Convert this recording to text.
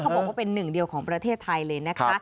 บอกว่าเป็นหนึ่งเดียวของประเทศไทยเลยนะคะ